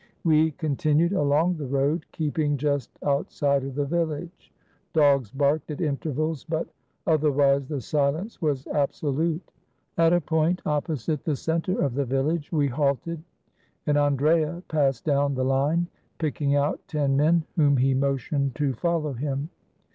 We continued along the road, keeping just out side of the village. Dogs barked at intervals, but other wise the silence was absolute. At a point opposite the center of the village we halted, and Andrea passed down the line, picking out ten men whom he motioned to fol low him.